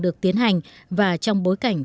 được tiến hành và trong bối cảnh